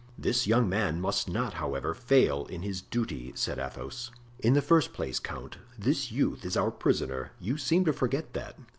"This young man must not, however, fail in his duty," said Athos. "In the first place, count, this youth is our prisoner; you seem to forget that.